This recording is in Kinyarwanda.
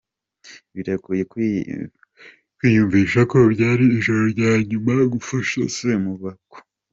Biragoye kwiyumvisha ko byari ijoro rya nyuma ngufashe mu maboko.